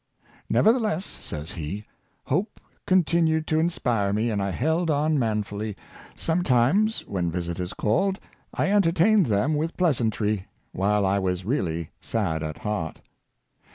" Nevertheless," says he, '' hope con tinued to inspire me, and I held on manfully; some times, when visitors called, I entertained them with pleasantry, while I was really sad at heart."